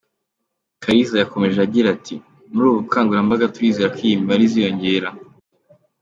Kaliza yakomeje agira ati “Muri ubu bukangurambaga turizera ko iyi mibare iziyongera.